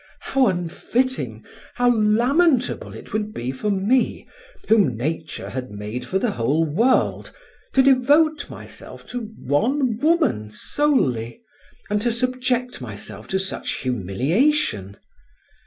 How unfitting, how lamentable it would be for me, whom nature had made for the whole world, to devote myself to one woman solely, and to subject myself to such humiliation!